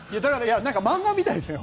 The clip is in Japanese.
漫画みたいですよね。